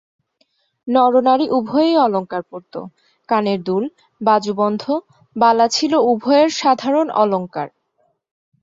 নরনারী উভয়েই অলঙ্কার পরত; কানের দুল, বাজুবন্ধ, বালা ছিল উভয়ের সাধারণ অলঙ্কার।